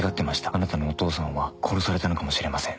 あなたのお父さんは殺されたのかもしれません」